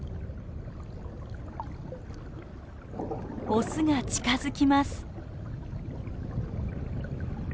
オスが近づきます。